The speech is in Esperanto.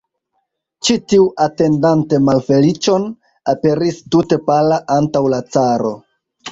Ĉi tiu, atendante malfeliĉon, aperis tute pala antaŭ la caro.